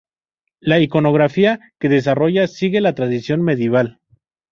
La iconografía que desarrolla sigue la tradición medieval.